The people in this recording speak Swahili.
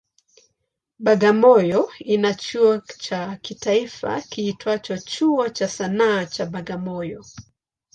Bagamoyo ina chuo cha kitaifa kiitwacho Chuo cha Sanaa cha Bagamoyo.